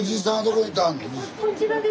こちらです。